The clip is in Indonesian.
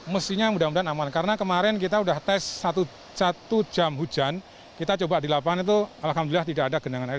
mestinya mudah mudahan aman karena kemarin kita sudah tes satu jam hujan kita coba di lapangan itu alhamdulillah tidak ada genangan air